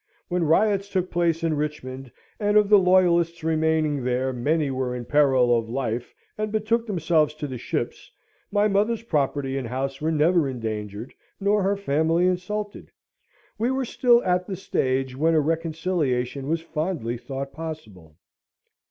When riots took place in Richmond, and of the Loyalists remaining there, many were in peril of life and betook themselves to the ships, my mother's property and house were never endangered, nor her family insulted. We were still at the stage when a reconciliation was fondly thought possible.